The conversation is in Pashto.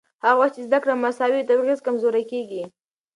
هغه وخت چې زده کړه مساوي وي، تبعیض کمزورې کېږي.